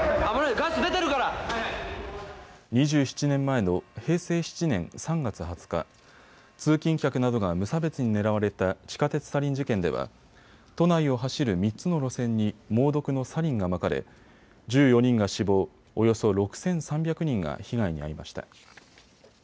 ２７年前の平成７年３月２０日、通勤客などが無差別に狙われた地下鉄サリン事件では都内を走る３つの路線に猛毒のサリンがまかれ１４人が死亡、およそ６３００人が被害に遭いました。